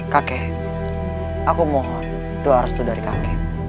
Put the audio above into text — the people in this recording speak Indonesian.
kakek aku mohon doa restu dari kakek